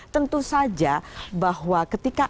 tentu saja bahwa ketika